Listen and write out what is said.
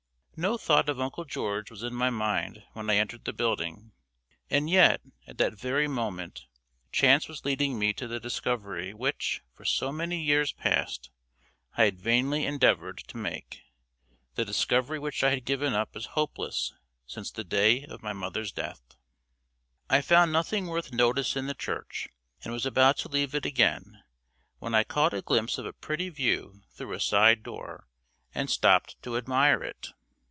No thought of Uncle George was in my mind when I entered the building; and yet, at that very moment, chance was leading me to the discovery which, for so many years past, I had vainly endeavored to make the discovery which I had given up as hopeless since the day of my mother's death. I found nothing worth notice in the church, and was about to leave it again, when I caught a glimpse of a pretty view through a side door, and stopped to admire it.